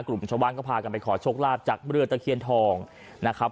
กลุ่มชาวบ้านก็พากันไปขอโชคลาภจากเรือตะเคียนทองนะครับ